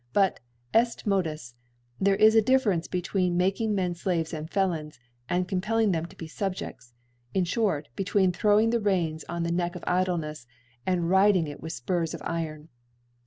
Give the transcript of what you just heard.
But, eft Modus \ there is a Difference be tween making Men Slaves, and Felons, and compelling them^o be Subje&s; in (hort, between throwing the Reins on the Neck of Idienefs, and riding it with Spurs of Iron.